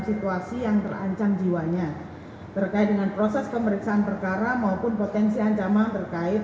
situasi yang terancam jiwanya terkait dengan proses pemeriksaan perkara maupun potensi ancaman terkait